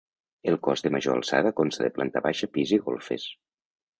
El cos de major alçada consta de planta baixa, pis i golfes.